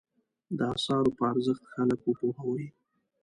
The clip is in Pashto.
د اثارو په ارزښت خلک وپوهوي.